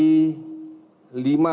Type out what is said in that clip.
pasien dengan identifikasi empat belas